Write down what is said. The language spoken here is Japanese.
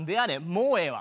もうええわ。